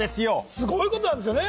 すごいことなんですよね。